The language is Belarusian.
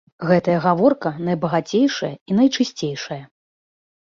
Гэтая гаворка найбагацейшая і найчысцейшая.